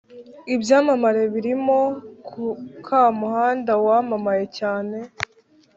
Ibyamamare birimo kamuhanda wamamaye cyane